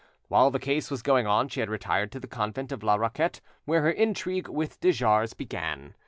While the case was going on she had retired to the convent of La Raquette, where her intrigue with de Jars began.